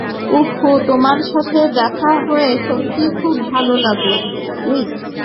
উহ-হু, তোমার সাথে দেখা হয়ে সত্যিই খুব ভালো লাগলো, লুইস।